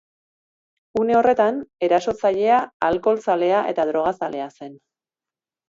Une horretan, erasotzailea alkohol-zalea eta drogazalea zen.